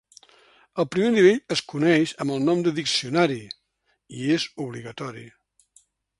El primer nivell es coneix amb el nom de "diccionari" i és obligatori.